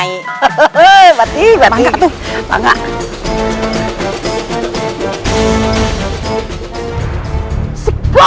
iroh mau siap siap di rumah saya